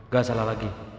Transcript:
gak salah lagi